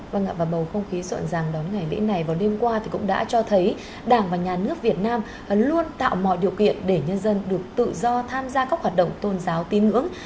và ngạp vào bầu không khí suộn ràng đón ngày lễ này vào đêm qua thì cũng đã cho thấy đảng và nhà nước việt nam luôn tạo mọi điều kiện để nhân dân được tự do tham gia các hoạt động tôn giáo tín ngưỡng